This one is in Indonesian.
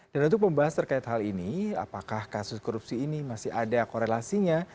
dan untuk pembahas terkait hal ini apakah kasus korupsi ini masih ada korelasinya